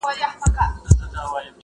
له مستیه پر دوو سرو پښو سوه ولاړه.